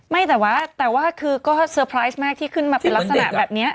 ไม่แต่ว่าแต่ว่าคือก็เซอร์ไพรส์มากที่ขึ้นมาเป็นลักษณะแบบนี้